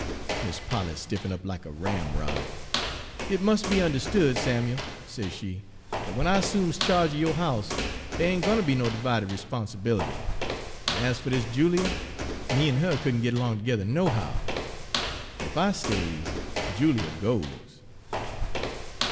"Mis' Polly stiffen' up like a ramrod. 'It mus' be unde'stood, Samuel,' says she, 'dat w'en I 'sumes cha'ge er yo' house, dere ain' gwine ter be no 'vided 'sponsibility; an' as fer dis Julia, me an' her couldn' git 'long tergether nohow. Ef I stays, Julia goes.'